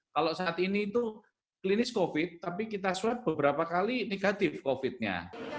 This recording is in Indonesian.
kalau saat ini itu klinis covid tapi kita swab beberapa kali negatif covid nya